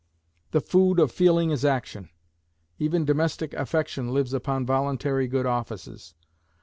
The food of feeling is action; even domestic affection lives upon voluntary good offices.